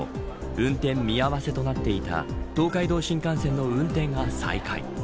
運転見合わせとなっていた東海道新幹線の運転が再開。